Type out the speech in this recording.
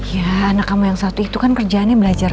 ya anak sama yang satu itu kan kerjaannya belajar